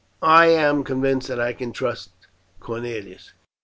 I am convinced that I can trust Cornelius.